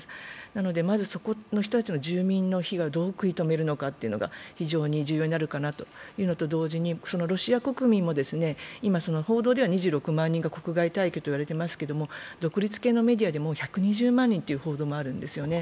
なので、まず、そこの人たちの住民の被害をどう食い止めるのかが非常に重要になるかなというのと同時に、ロシア国民も今、報道では２６万人が国外退去と言われていますけど、独立系のメディアで１２０万人という報道もあるんですね